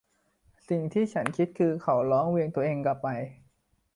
สิ่งที่ฉันคิดคือ เขาร้อง เหวี่ยงตัวเองกลับไป